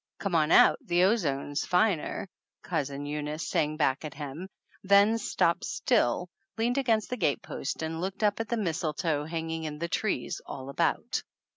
"Come on out, the ozone's finer," Cousin Eunice sang back at him ; then stopped still, leaned against the gate post and looked up at the mistletoe hanging in the trees all about.